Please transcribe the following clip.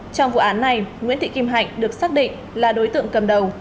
trong vụ án này nguyễn thị kim hạnh được xác định là đối tượng cầm đầu